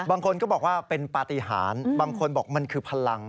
บางคนก็บอกว่าเป็นปฏิหารบางคนบอกมันคือพลัง